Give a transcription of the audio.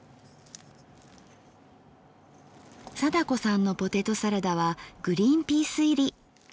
貞子さんのポテトサラダはグリンピース入り。